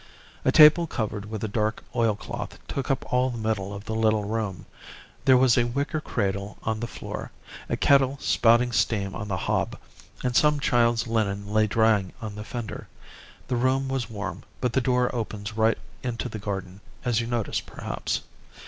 "A table covered with a dark oilcloth took up all the middle of the little room. There was a wicker cradle on the floor, a kettle spouting steam on the hob, and some child's linen lay drying on the fender. The room was warm, but the door opens right into the garden, as you noticed perhaps.